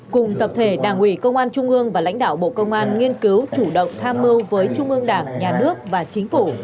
cùng tập thể đảng ủy công an trung ương và lãnh đạo bộ công an nghiên cứu chủ động tham mưu với trung ương đảng nhà nước và chính phủ